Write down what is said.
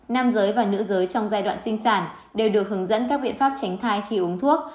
nam giới và nữ giới trong giai đoạn sinh sản đều được hướng dẫn các biện pháp tránh thai khi uống thuốc